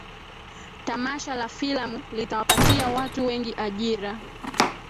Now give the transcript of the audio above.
Tamasha la filamu litawapatia watu wengi ajira